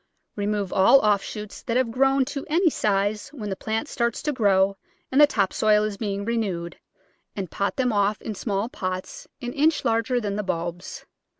Remove all offshoots that have grown to any size when the plant starts to grow and the top soil is being renewed, and pot them off in small pots an inch larger than the bulbs.